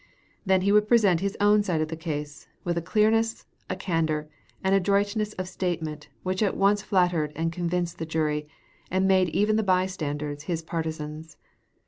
Then he would present his own side of the case, with a clearness, a candor, an adroitness of statement which at once flattered and convinced the jury, and made even the bystanders his partisans.